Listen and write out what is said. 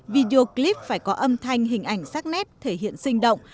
video clip phải có âm thanh hình ảnh sắc nét thể hiện sinh động